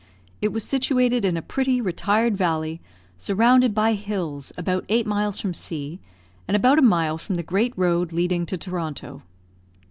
It was situated in a pretty retired valley, surrounded by hills, about eight miles from C , and about a mile from the great road leading to Toronto.